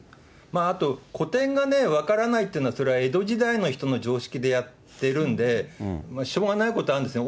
あと、古典がね、分からないっていうのは、それは江戸時代の人の常識でやってるんで、しょうがないことあるんですね。